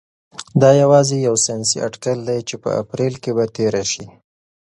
دا یوازې یو ساینسي اټکل دی چې په اپریل کې به تیره شي.